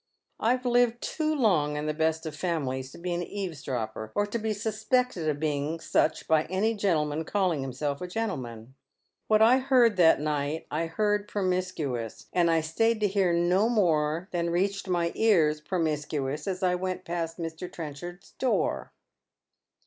I've Uved too long in the best of femilies to be an eavesdropper, or to be suspected of being such by any gentleman calling himself a gentleman. What I heard that night I heard promiscuous, and I stayed to hear no more than reached my ears promiscuous as I went past Mr. Trenchard's door."